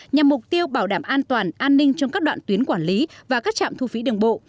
nhằm mục tiêu bảo đảm an toàn an ninh trong các đoạn tuyến quản lý và các trạm thu phí đường bộ